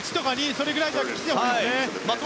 それぐらいで来てほしいですね。